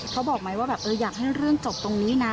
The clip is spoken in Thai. เขาบอกไหมว่าแบบเอออยากให้เรื่องจบตรงนี้นะ